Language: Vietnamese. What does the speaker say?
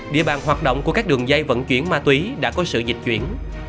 địa bàn hoạt động của các đường dây vận chuyển ma túy đã có sự dịch chuyển